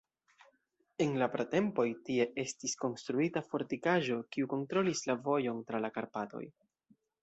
En la pratempoj tie estis konstruita fortikaĵo, kiu kontrolis la vojon tra la Karpatoj.